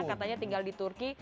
katanya tinggal di turki